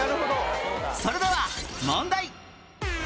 それでは問題